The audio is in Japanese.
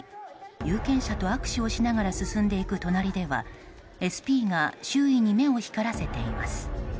有権者と握手をしながら進んでいく隣ではＳＰが周囲に目を光らせています。